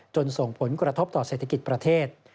ส่งผลกระทบต่อเศรษฐกิจประเทศ